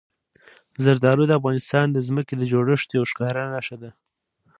زردالو د افغانستان د ځمکې د جوړښت یوه ښکاره نښه ده.